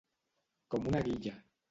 Com una guilla.